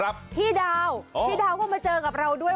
พี่ดาวพี่ดาวก็มาเจอกับเราด้วย